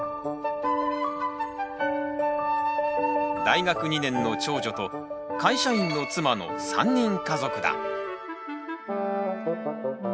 大学２年の長女と会社員の妻の３人家族だ。